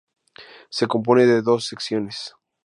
Se compone de dos secciones.